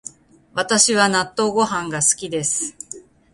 私は納豆ご飯が好きです